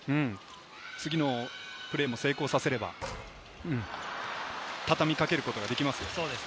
次のプレーも成功させれば、たたみかけることができます。